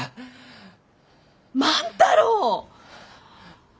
万太郎！